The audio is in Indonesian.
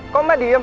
kok mbak diem